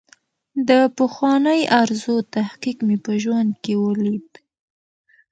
د پخوانۍ ارزو تحقق مې په ژوند کې ولید.